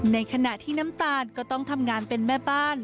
ในขณะที่น้ำตาลก็ต้องทำงานเป็นแม่บ้าน